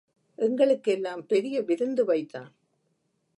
எங்களுக்கு எல்லாம் பெரிய விருந்து வைத்தான்.